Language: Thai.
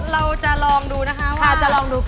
เราจะลองดูนะคะว่า